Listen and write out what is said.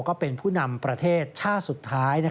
ก็เป็นผู้นำประเทศชาติสุดท้าย